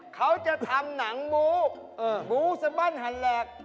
เขาจะทำหนังหมูบูสบั้นหันแหลก